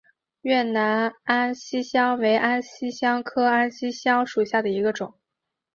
越南安息香为安息香科安息香属下的一个种。